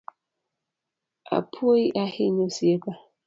Apuoyi ahinya Osiepa.